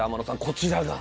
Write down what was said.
こちらが。